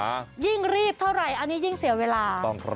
ยิ่งรีบเท่าไหร่อันนี้ยิ่งเสียเวลา